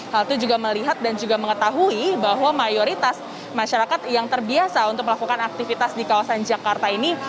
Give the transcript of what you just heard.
hal itu juga melihat dan juga mengetahui bahwa mayoritas masyarakat yang terbiasa untuk melakukan aktivitas di kawasan jakarta ini